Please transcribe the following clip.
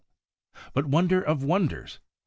But, wonder of wonders !